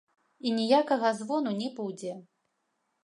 І ніякага звону не будзе.